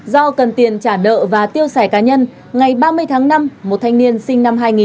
do cần tiền trả nợ và tiêu xài cá nhân ngày ba mươi tháng năm một thanh niên sinh năm hai nghìn